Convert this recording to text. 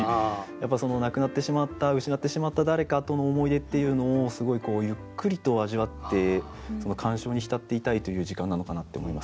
やっぱその亡くなってしまった失ってしまった誰かとの思い出っていうのをすごいゆっくりと味わってその感傷に浸っていたいという時間なのかなって思います。